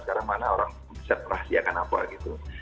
sekarang mana orang bisa merahasiakan apa gitu